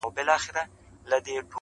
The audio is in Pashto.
شمعي زما پر اوښکو که پر ځان راسره وژړل-